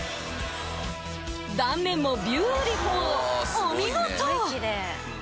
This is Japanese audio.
断面もビューティフルお見事！